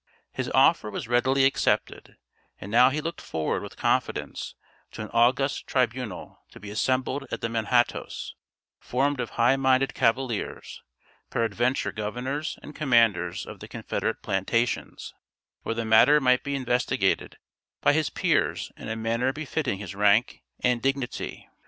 His offer was readily accepted; and now he looked forward with confidence to an august tribunal to be assembled at the Manhattoes, formed of high minded cavaliers, peradventure governors and commanders of the confederate plantations, where the matter might be investigated by his peers in a manner befitting his rank and dignity.